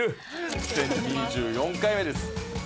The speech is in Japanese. １０２４回目です。